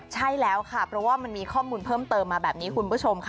ใช่แล้วค่ะเพราะว่ามันมีข้อมูลเพิ่มเติมมาแบบนี้คุณผู้ชมค่ะ